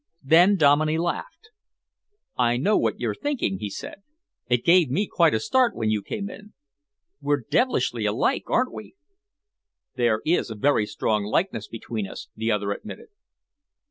Then Dominey laughed. "I know what you're thinking," he said. "It gave me quite a start when you came in. We're devilishly alike, aren't we?" "There is a very strong likeness between us," the other admitted.